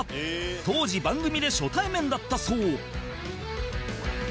当時番組で初対面だったそう